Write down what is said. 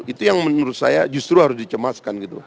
itu yang menurut saya justru harus dicemaskan gitu